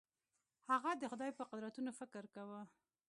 هغه د خدای په قدرتونو فکر کاوه.